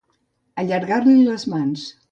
Allargar-li les mans.